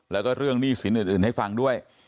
แล้วก็เรื่องหนี้สินอื่นให้ฟังด้วย